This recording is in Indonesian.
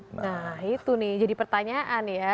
nah itu nih jadi pertanyaan ya